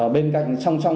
bên cạnh song song